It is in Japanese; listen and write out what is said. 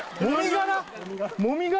もみ殻？